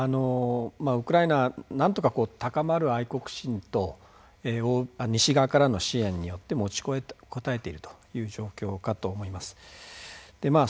ウクライナはなんとか高まる愛国心と西側からの支援によって持ちこたえているという状況かと思います。